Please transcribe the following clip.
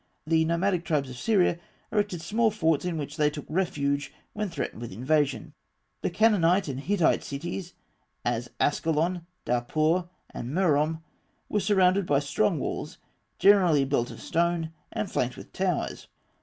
The nomadic tribes of Syria erected small forts in which they took refuge when threatened with invasion (fig. 37). The Canaanite and Hittite cities, as Ascalon, Dapur, and Merom, were surrounded by strong walls, generally built of stone and flanked with towers (fig.